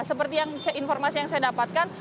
seperti informasi yang saya dapatkan